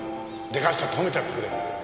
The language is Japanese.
でかしたと褒めてやってくれ。